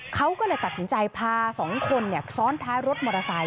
เขาก็เลยตัดสินใจพาสองคนซ้อนท้ายรถมอเตอร์ไซค